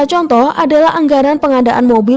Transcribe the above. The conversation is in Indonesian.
contoh adalah anggaran pengadaan mobil